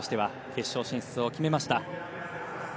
決勝進出を決めました。